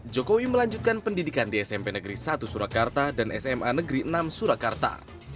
jokowi melanjutkan pendidikan di smp negeri satu surakarta dan sma negeri enam surakarta